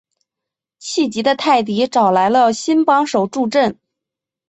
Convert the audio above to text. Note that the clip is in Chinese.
气急的泰迪找来了新帮手助阵。